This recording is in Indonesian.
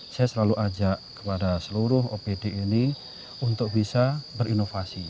saya selalu ajak kepada seluruh opd ini untuk bisa berinovasi